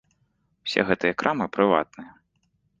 Усе гэтыя крамы прыватныя.